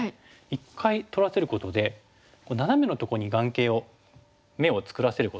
一回取らせることでナナメのとこに眼形を眼を作らせることになるんですよね。